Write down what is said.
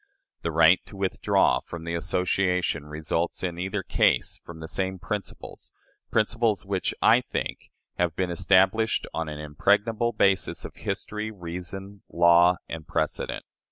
The right to withdraw from the association results, in either case, from the same principles principles which, I think, have been established on an impregnable basis of history, reason, law, and precedent.